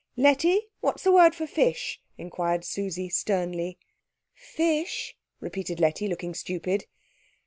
"Letty, what's the word for fish?" inquired Susie sternly. "Fish?" repeated Letty, looking stupid.